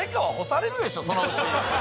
そのうち。